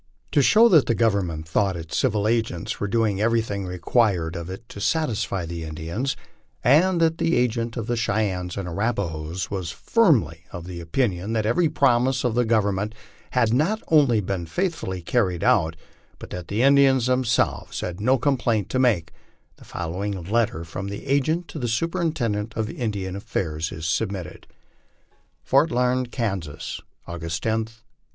To show that the Government through its civil agents was doing every thing required of it to satisfy the Indians, and that the agent of the Cheyennes and Arapahoes was firmly of the opinion that every promise of the Government had not only been faithfully carried out, but that the Indians themselves had no complaint to make, the following letter from the agent to the Superintend ent of Indian Affairs is submitted : FORT LARKED, KANSAS, August 10, 1868.